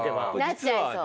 なっちゃいそう。